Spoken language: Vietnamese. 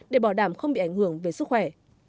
để bảo đảm không bị ảnh hưởng về sức khỏe